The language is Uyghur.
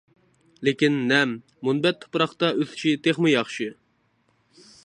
لېكىن نەم، مۇنبەت تۇپراقتا ئۆسۈشى تېخىمۇ ياخشى.